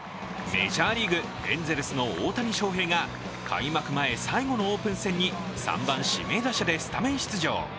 メジャーリーグエンゼルスの大谷翔平が開幕前最後のオープン戦に３番・指名打者でスタメン出場。